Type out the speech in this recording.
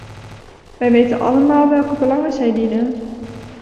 Wij weten allemaal welke belangen zij dienen.